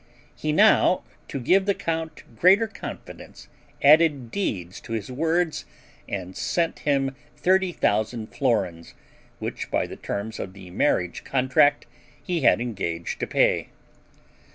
He now, to give the count greater confidence, added deeds to his words, and sent him thirty thousand florins, which, by the terms of the marriage contract, he had engaged to pay.